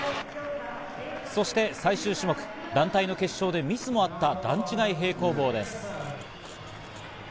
そして最終種目、団体の決勝でミスもあった段違い平行棒です。